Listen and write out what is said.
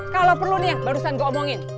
kalau perlu nih barusan gue omongin